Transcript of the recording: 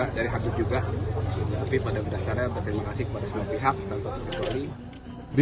tapi pada berdasarnya berterima kasih kepada semua pihak tante polri